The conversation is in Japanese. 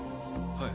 はい。